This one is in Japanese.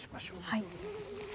はい。